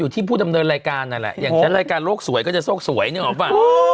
ที่ผู้ดำเนินรายการนั่นแหละอย่างเช่นรายการโลกสวยก็จะโชคสวยนึกออกป่ะ